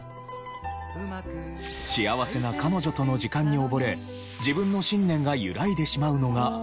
幸せな彼女との時間に溺れ自分の信念が揺らいでしまうのが恐ろしい。